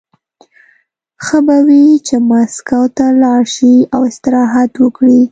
ښه به وي چې مسکو ته لاړ شي او استراحت وکړي